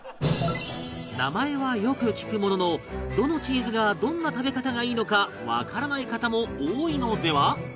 名前はよく聞くもののどのチーズがどんな食べ方がいいのかわからない方も多いのでは？